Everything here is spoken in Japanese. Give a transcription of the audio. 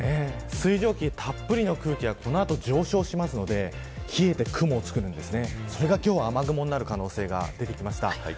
水蒸気たっぷりの雲がこれから上昇しますので冷えて雲を作ってそれが雨雲になる可能性が出てきました。